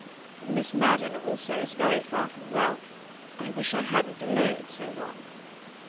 Miss Madden, also, is very far from well. I wish I hadn't delayed so long."